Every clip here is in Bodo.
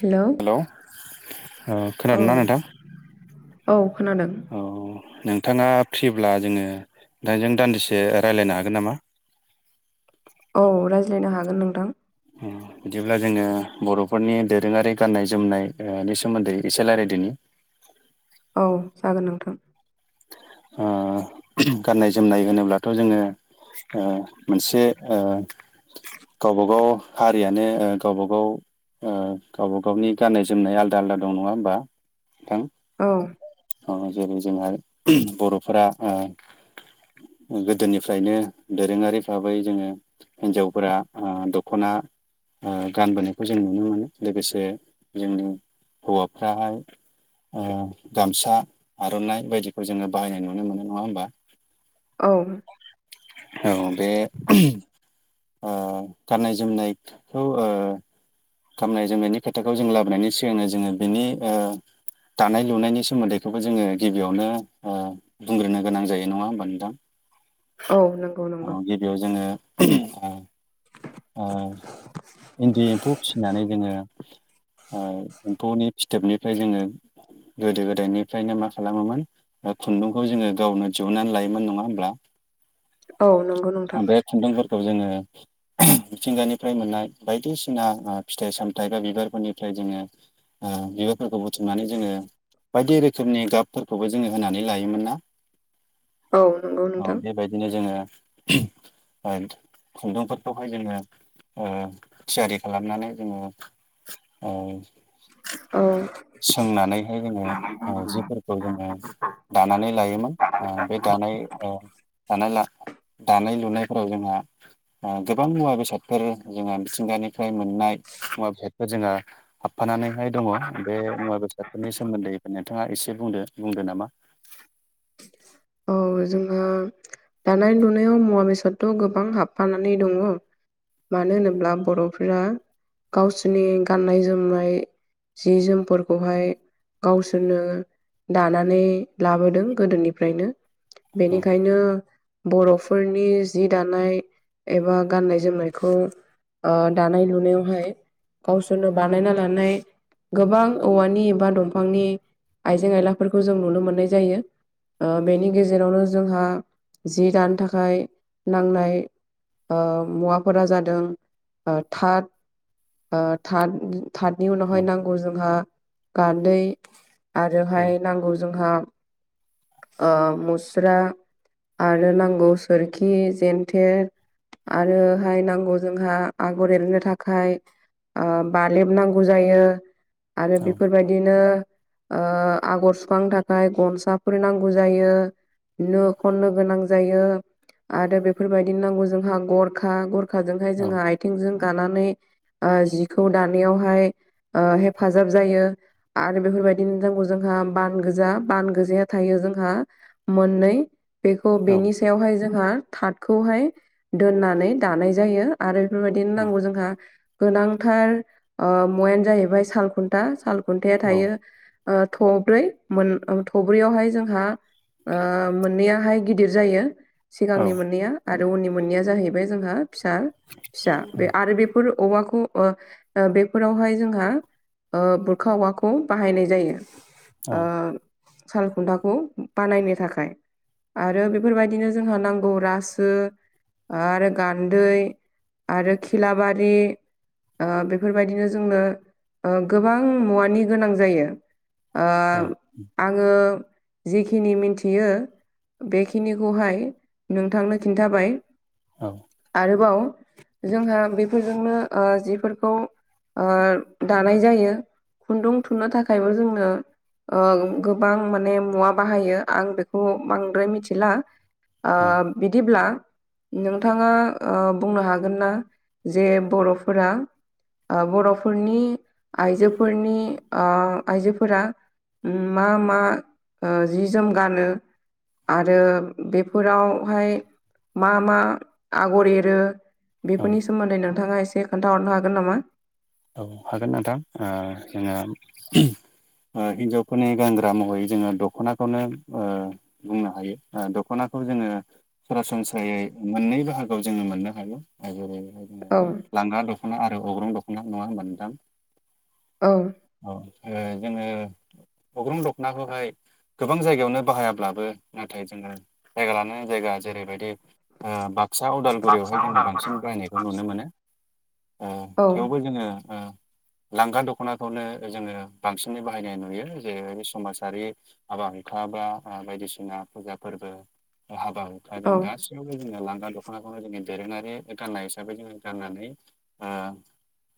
हेल' हेलौ ओ औ खोनादोंना नोंथां औ खोनादों। औ नोंथाङा फ्रिब्ला जोङो नोंथांजों दान्दिसे रायज्लायनो हागोन नामा। औ रायज्लायनो हागोन नोंथां [inaudible] बिदिब्ला जोङो बर'फोरनि दोरोङारि गाननाय जोमनाय नि सोमोन्दै एसे रायजलायदोनि औ जागोन नोंथां। गाननाय जोमनाय होनोब्लाथ' जोङो। ओ मोनसे ओ गावबा गाव हारियानो गावबा गाव गावबा गावनि गाननाय जोमनाय आलादा आलदा दं नङा होमबा नोंथां औ औ जेरै जोंहा बर'फोरा गोदोनिफ्रायनो दोरोङारि भाबै जोङो हिन्जावफोरा दख'ना गानबोनायखौ जों नुनो मोनो लोगोसे जोंनि हौवाफ्राहाय गामसा आर'नाइ बायदिखौ जोङो बाहायनाय नुनो मोनो नङा होमबा। औ औ बे ओ गाननाय जोमनायखौ ओ गामनाय जोमनायनि खोथाखौ जों लाबोनायनि सिगांनो जोङो बेनि ओ दानाय लुनायनि सोमोन्दैखौबो जोङो गिबियावनो ओ बुंग्रोनो गोनां जायो नङा होमबा नोंथां औ नों अ गिबियाव जोङो ओ ओ इन्दि एम्फौ फिसिनानै जोङो ओ एम्फौनि फिथोबनिफ्राय जोङो गोदो गोदायनिफ्रायनो मा खालामोमोन खुन्दुंखौ जोङो गावनो दिहुननानै लायोमोन नङा होमब्ला औ नं बे खुन्दुंफोरखौ जोङो मिथिंगानिफ्राय मोननाय बायदिसिना फिथाइ सामथाइ बा बिबारफोरनिफ्राय जोङो ओम [unintelligible] फोरखौ बुथुमनानै जोङो बायदि रोखोमनि गाबफोरखौबो जोङो होनानै लायोमोन ना औ नंगौ औ नोंथां बेबायदिनो जोङो खुन्दुंफोरखौहाय जोङो ओ थियारि खालामनानै जोङो ओ ओ औ सोंनानैहाय जोङो जिफोरखौ जोङो दानानै लायोमोन बे दानाय ओ दानाय दानाय लुनायफोराव जोंहा ओ गोबां मुवा बेसादफोर जोंहा मिथिंगानि निफ्राय मोननाय मुवा बेसादखौ जोङो हाबफानानैहाय दङ बे मुवा बेसादफोरनि सोमोन्दै नोंथाङा एसे बुंदो बुंदो नामा औ जोङो दानाय लुनायाव मुवा बेसादथ' गोबां हाबफानानै दङ मानो होनोब्ला बर'फोरा गावसोरनि गाननाय जोमनाय जि जोमफोरखौहाय गावसोरनो दानानै लाबोदों गोदोनि फ्रायनो औ बेनिखायनो बर'फोरनि जि दानाय एबा गाननाय जोमनायखौ ओ दानाय लुनायावहाय गावसोरनो बानायना लानाय गोबां औवानि एबा दंफांनि आइजें आइलाफोरखौ जों नुनो मोननाय जायो। ओ बेनि गेजेरावनो जोंहा जि दानो थाखाय नांनाय ओ मुवाफोरा जादों ओ थाद ओ थाद थादनि उनावहाय औ नांगौ जोंहा गान्दै औ आरोहाय नांगौ जोंहा ओ मुस्रा आरो नांगौ सोरखि जेन्थेर आरोहाय नांगौ जोंहा आगर एरनो थाखाय ओ बालेब नांगौ जायो। आरो औ बेफोरबायदिनो ओ आगर सुखांनो थाखाय गनसा फोर नांगौ जायो नो खननो गोनां जायो। आरो बेफोरबायदिनो नांगौ जोंहा गरखा गरखाजोंहाय औ जोंहा आइथिंजों गानानै ओ जिखौ दानायावहाय ओ हेफाजाब जायो आरो बेफोरबायदिनो नांगौ जोंहा बान गोजा बान गोजाया थायो जोंहा मोननै बेखौ औ बेनि यावहाय जोंहा थादखौहाय दोननानै दानाय जायो। आरो बेफोरबायदिनो औ नांगौ जोंहा गोनांथार ओ मुवायानो ओ जाहैबाय सालखुन्था सालखुन्थाया औ थायो। ओ थब्रै मोन ओ थ ब्रैयावहाय जोंहा ओ मोननैयाहाय गिदिर जायो औ सिगांनि मोननैया आरो उननि मोननैया जाहैबाय जोंहा फिसा फिसा बे आरो बेफोर औवाखौ ओ बेफोरावहाय जोंहा ओ बुरखा औवाखौ बाहायनाय जायो। औ सालखुन्थाखौ बानायनो थाखाय। आरो बेफोरबायदिनो जोंहा नांगौ रासो आरो गान्दै आरो खिलाबारि बेफोरबायदिनो जोंनो गोबां मुवानि गोनां जायो। ओ आङो जिखिनि मिनथियो बेखिनिखौहाय नोंथांनो खिन्थाबाय। औ आरोबाव जोंहा बेफोरजोंनो जिफोरखौ ओ दानाय जायो खुन्दुं थुनो थाखायबो जोंनो ओ गोबां माने मुवा बाहायो आं बेखौ बांद्राय मिथिला। औ ओ बिदिब्ला नोंथाङा बुंनो हागोन ना जे बर'फोरा बर'फोरनि आइजोफोरनि ओ आइजोफोरा मा मा जि जोम गानो? आरो बेफोरावहाय मा मा आगर एरो औ बेफोरनि सोमोन्दै नोंथाङा एसे खोन्थााहरनो हागोन नामा? औ हागोन नोंथां ओ जोङो ओ हिन्जावफोरनि गानग्रा महरै जोङो दख'नाखौनो ओ बुंनो हायो दख'नाखौ जोङो सरासनस्रायै मोननै बाहागोआव जोङो मोननो हायो आरो जेरै औ लांगा दख'ना आरो अग्रं दख'ना नङा होमबा नोंथां? औ औ जोङो अग्रं दखनाखौहाय गोबां जायगायावनो बाहायाब्लाबो नाथाय जोङो जायगा लानानै जायगा जेरैबायदि ओ बाक्सा उदालगुरियावहाय जोङो बांसिन बायनायखौ नुनो मोनो ओ औ थेवबो जोङो ओ लांगा दख'नाखौनो ओ जोङो बांसिनै बाहायनाय नुयो। जेरै समाजारि हाबा हुखा बा ओ बायदिसिना फुजा फोरबो हाबा औ हुखाजों गासिब यावबो जोङो लांगा दख'नाखौनो जोङो दोरोङारि गाननाय हिसाबै जोङो गाननानै आ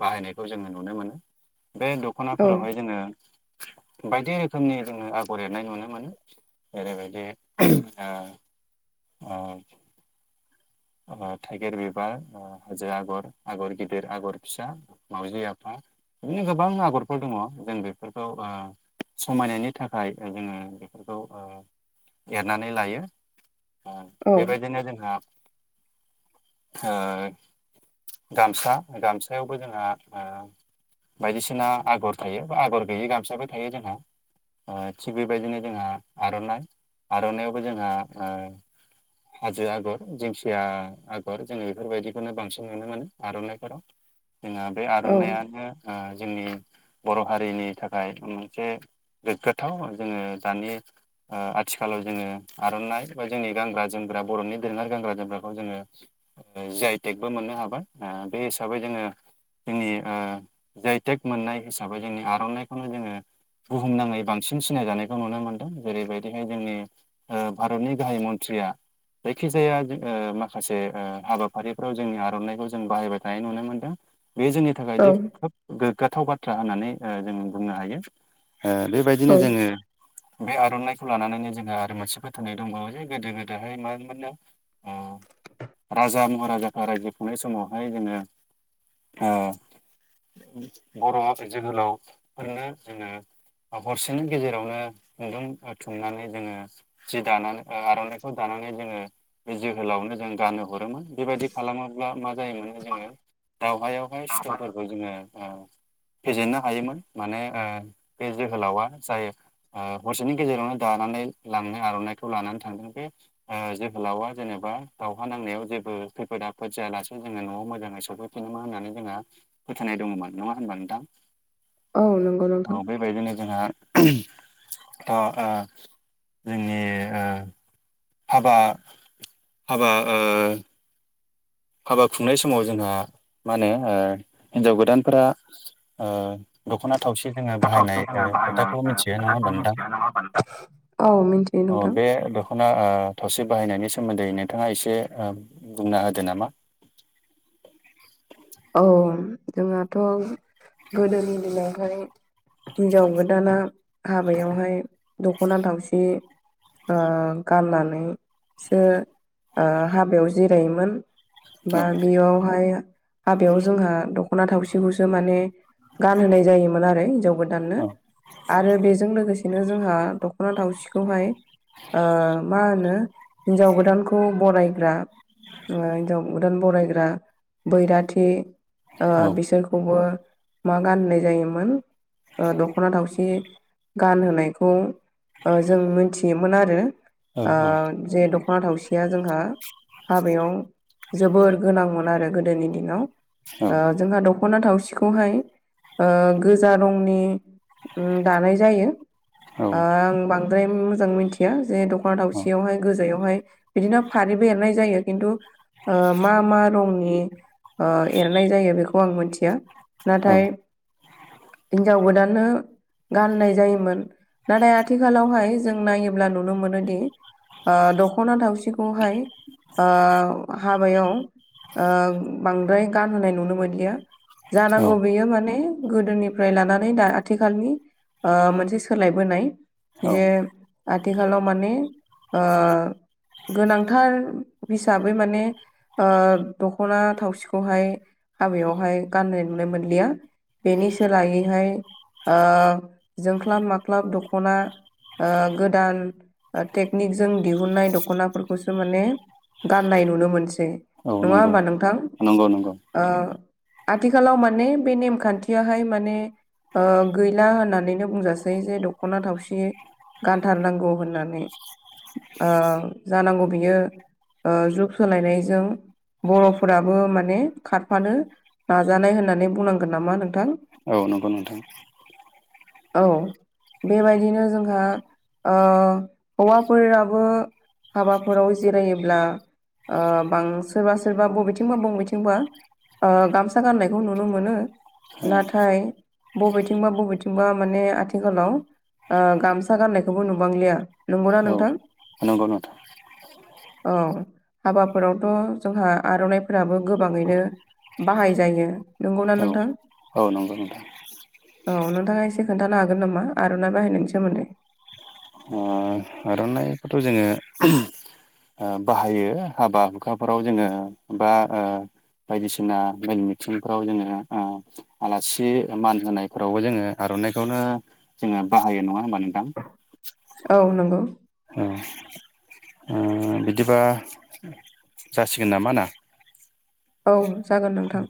बाहायनायखौ जोङो नुनो मोनो। बे औ दख'नाफोरावहाय जोङो बायदि रोखोमनि जोङो आगर एरनाय नुनो मोनो। एरै बायदि ओ अ' अ' थायगिर बिबार अ' ओ हाजो आगर, आगर गिदिर, आगर फिसा, मावउजि आफा, इदिनो गोबां आगरफोर दङ। जों बेफोरखौ आ समायनायनि थाखाय ओ जोङो फोरखौ ओ एरनानै लायो ओ बेबायदिनो जोंहा ओ गामसा गामसायावबो जोंहा ओ बायदिसिना आगर थायो बा आगर गैयि गामसाबो थायो जोंहा। ओ थिग बेबायदिनो जोंहा आर'नाइ आर'नाइयावबो जोंहा ओ हाजो आगर दिंखि खिया आगर जोङो बेफोरबायदिखौनो बांसिन नुनो मोनो आर'नाइफोराव। जोङा बे औ आर'नाइयानो आ जोंनि बर' हारिनि थाखाय मोनसे गोग्गाथाव जोङो दानि आ आथिखालाव जोङो आर'नाइ बा जोंनि गानग्रा जोमग्रा बर'नि दोरोङारि गानग्रा जोमग्रा खौ जोङो ओ जि आइ टेकबो मोननो हाबाय ओ बे हिसाबै जोङो जोंनि ओ जायथेक मोननाय हिसाबै जोंनि आर'नाइखौनो जोङो बुहुमनाङै बांसिन सिनायजानायखौ नुनो मोनदों। जेरै बायदिहाय जोंनि ओ भारतनि गाहाय मन्थ्रिया जायखि जाया जों ओ माखासे ओ हाबाफारिफ्राव जोंनि आर'नाइखौ जों बाहायबाय थानाय नुनो मोनदों। बे जोंनि थाखाय औ जोब खोब गोग्गाथाव बाथ्रा होननानै ओ जों बुंनो हायो। बेबाय दिनो औ जोङो बे आर'नाइखौ लानानैनो जोंहा आरो मोनसे फोथायनाय दंबावो जे गोदो गोदोहाय मा मोननो ओ राजा महाराजाफोरा रायजो खुंनाय समावहाय जोङो ओ बर' जोहोलावफोरनो जोङो ओ हरसेनि गेजेरावनो खुन्दुं ओ थुमनानै जोङो जि दानानै ओ आर'नाइखौ दानानै जोङो बे जोहोलावनो जों गानहो हरोमोन। बेबायदि खालामोब्ला मा जायोमोनो जोङो दावहायावहाय सुथुरफोरखौ जोङो ओ फेजेननो हायोमोन माने ओ बे जोहोलावा जायो। आ हरसेनि गेजेरावनो दानानै लांनो आर'नाइखौ लानानै थांदों। बे ओ जोहोलावा जेनेबा दावहा नांनायाव जेबो खैफोद आफोद जायालासे जोङो न'आव मोजाङै सफैफिनोमोन होननानै जोंहा फोथायनाय दङमोन नङा होनबा नोंथां? औ नंगौ नोंथां। बैदिनो जोंहा थ' ओ जोंनि ओ हाबा हाबा ओ हाबा खुंनाय समाव जोंहा मा होनो ओ हिन्जाव गोदानफोरा ओ दखना थावसि जोङो बाहायनाय ओ खोथाखौ मिनथियो नङा होमबा नोंथां औ मिथियो अ' नोंथां बे दख ख'ना ओ थावसि बाहायनायनि सोमोन्दै नोंथाङा एसे ओ बुंना होदो नामा। [inaudible] औ जोंहाथ' गोदोनि दिनावहाय हिनजाव गोदाना हाबायावहाय दख'ना थावसि ओ गाननानैसो ओ हाबायाव जिरायोमोन। बा औ बेयावहाया हाबायाव जोंहा दख'ना थावसिखौसो माने गानहोनाय जायोमोन आरो हिनजाव गोदाननो आरो बेजों लोगोसेनो जोंहा दख'ना थावसिखौहाय मा होनो हिन्जाव गोदानखौ बरायग्रा हिनजाव गोदान बरायग्रा बैराथि औ बिसोरखौबो मा गाननाय जायोमोन ओ दख'ना थावसि गानहोनायखौ ओ जों मिथियोमोन आरो औ जे दख'ना थावसिया जोंहा हाबायाव जोबोर गोनांमोन आरो गोदोनि दिनाव ओ जोंहा दड दख'ना थावसिखौहाय ओ गोजा रंनि ओ दानाय जायो औ आं बांद्राय मोजां मिथिया जे दख'ना दावसियावहाय गोजायावहाय बिदिनो फारिबो एरनाय जायो खिन्थु मा मा रंनि ओ एरनाय जायो बेखौ आं मोनथिया औ नाथाय हिनजाव गोदानो गाननाय जायोमोन नाथाय आथिखालावहाय जों नायोब्ला नुनो मोनोदि ओ दख'ना थावसिखौहाय ओ हाबायाव ओ बांद्राय गानहोनाय नुनो मोनलिया औ जानांगौ बेयो माने गोदोनिफ्राय लानानै दा आथिखालनि मोनसे सोलायबोनाय औ जे आथिखालाव माने आ गोनांथार हिसाबै माने दखना थावसि बिखौहाय हाबायावहाय गाननाय नुनाय मोनलिया बेनि सोलायैहाय जोंख्लाब माख्लाब दख'ना गोदान टेकनिकजों दिहुनाय दखनाफोरखौसो माने गाननाय नुनो मोनसै औ नङा नंगौ होमबा नोंथां नंगौ नंगौ आथिखालाव माने बे नेमखान्थियाहाय माने गैला होननानैनो बुंजासै जे दख'ना थावसि गानथारनांगौ होननानै जानांगौ बियो जुग सोलायनायजों बर'फोराबो मा माने खारफानो नाजानाय होननानै बुंनांगोन नामा नोंथां औ नंगौ नोंथां औ बेबायदिनो जोंहा हौवाफोराबो हाबाफोराव जिरायोब्ला बां सोरबा सोरबा बबेथिंबा बबेथिं बा गामसा गाननायखौ नुनो मोनो औ नाथाय बबेथिंबा बबेथिंबा माने आथिखालाव गामसा गाननायखौबो नुबांलिया नंगौना नोंथां नंगौ नोंथां औ हाबाफोरावथ' जोंहा आर'नाइफोराबो गोबाङैनो बाहाय जायो नंगौना नोंथां औ औ नंगौ नोंथां औ नोंथाङा एसे खोन्थानो हागोन नामा आर'नाइ बाहायनायनि सोमोन्दै ओ आर'नाइ बेखौथ' जोङो बाहायो हाबा हुखाफोराव जोङो बा बायदिसिना मेल मिथिंफ्राव जोङो आलासि मान होनायफोरावबो जोङो आर'नाइखौनो जोङो बाहायो नङा होमब नोंथां औ नंगौ औ बिदिबा जासिगोन नामा ना औ जागोन नोंथां